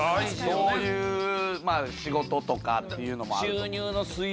どういうまあ仕事とかっていうのもあると思う。